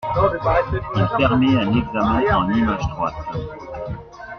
Il permet un examen en image droite.